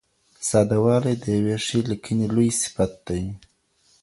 ساده والی د یوې ښې لیکنې لوی صفت دئ.